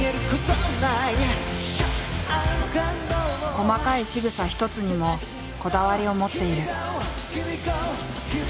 細かいしぐさ一つにもこだわりを持っている。